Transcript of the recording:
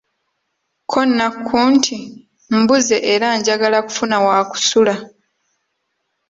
Ko Nakku nti, mbuze era njagala kufuna wa kusula!